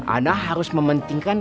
ana harus mempentingkan